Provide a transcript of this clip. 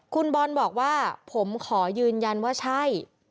คุณบอลบอกว่าผมขอยืนยันว่าใช่